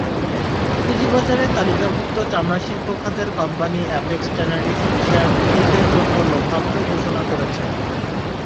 পুঁজিবাজারে তালিকাভুক্ত চামড়াশিল্প খাতের কোম্পানি অ্যাপেক্স ট্যানারি শেয়ারধারীদের জন্য লভ্যাংশ ঘোষণা করেছে।